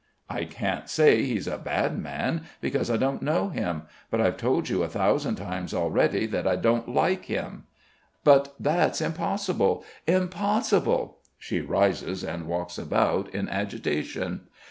"I can't say he's a bad man, because I don't know him; but I've told you a thousand times already that I don't like him." "But that's impossible ... impossible...." She rises and walks about in agitation.